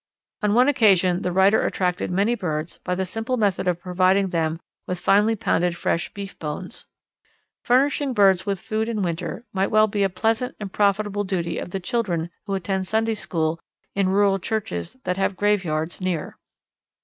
On one occasion the writer attracted many birds by the simple method of providing them with finely pounded fresh beef bones. Furnishing birds with food in winter might well be made a pleasant and profitable duty of the children who attend Sunday school in rural churches that have graveyards near.